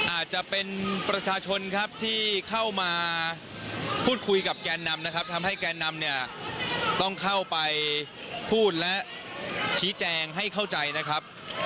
อาจจะเป็นประชาชนครับที่เข้ามาพูดคุยกับแกนนำนะครับทำให้แกนนำเนี่ยต้องเข้าไปพูดและชี้แจงให้เข้าใจนะครับ